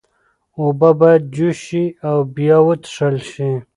اوبه باید جوش شي او بیا وڅښل شي.